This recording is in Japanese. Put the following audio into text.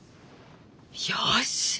よし！